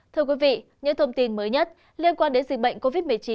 thưa quý vị những thông tin mới nhất liên quan đến dịch bệnh covid một mươi chín